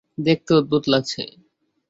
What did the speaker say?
দেখতে অদ্ভুত লাগছে।